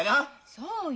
そうよ。